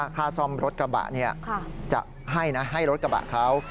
ค่าซ่อมรถกระบะจะให้นะให้รถกระบะเขา